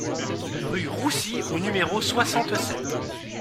Rue Roussy au numéro soixante-sept